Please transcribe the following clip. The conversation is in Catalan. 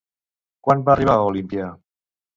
Quan va arribar a Olímpia?